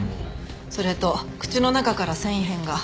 それと口の中から繊維片が。